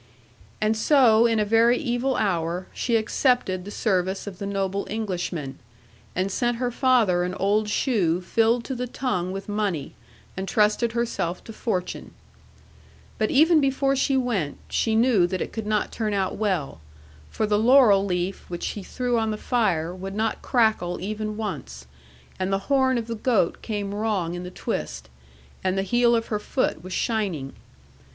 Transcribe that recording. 'And so, in a very evil hour, she accepted the service of the noble Englishman, and sent her father an old shoe filled to the tongue with money, and trusted herself to fortune. But even before she went, she knew that it could not turn out well; for the laurel leaf which she threw on the fire would not crackle even once, and the horn of the goat came wrong in the twist, and the heel of her foot was shining.